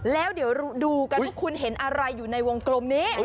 แล้วเดี๋ยวดูกันว่าคุณเห็นอะไรอยู่ในวงกลมนี้